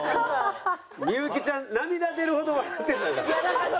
幸ちゃん涙出るほど笑ってんだから。